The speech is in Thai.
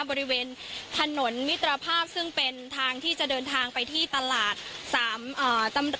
บริเวณถนนมิตรภาพซึ่งเป็นทางที่จะเดินทางไปที่ตลาด